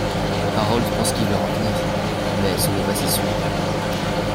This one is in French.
Harold pense qu'il va revenir mais ce n'est pas si sûr...